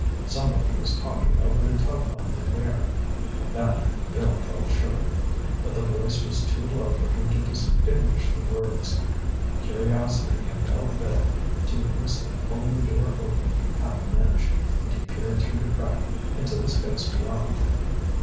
Somebody was talking over the telephone in there—of that Bill felt sure. But the voice was too low for him to distinguish the words. Curiosity impelled Bill to risk pulling the door open half an inch, and he peered through the crack into the space beyond.